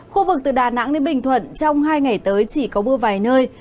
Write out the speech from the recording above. khu vực từ đà nẵng đến bình thuận trong hai ngày tới chỉ có mưa vài nơi